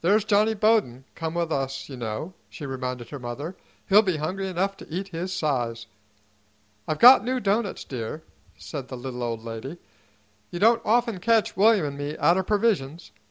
"There's Johnny Bowden come with us, you know," she reminded her mother. "He'll be hungry enough to eat his size." "I've got new doughnuts, dear," said the little old lady. "You don't often catch William 'n' me out o' provisions.